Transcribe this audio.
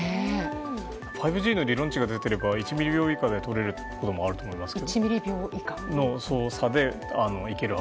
５Ｇの理論値が出てれば１ミリ秒以下で撮れるということもあると思いますよ。